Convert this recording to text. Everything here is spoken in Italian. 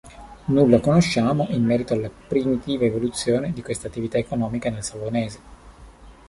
Nulla conosciamo in merito alla primitiva evoluzione di questa attività economica nel Savonese.